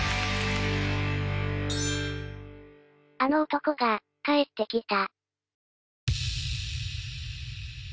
あの男が帰ってきた。